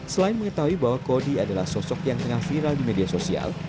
selain mengetahui bahwa kodi adalah sosok yang tengah viral di media sosial